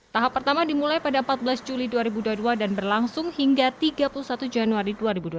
tahap pertama dimulai pada empat belas juli dua ribu dua puluh dua dan berlangsung hingga tiga puluh satu januari dua ribu dua puluh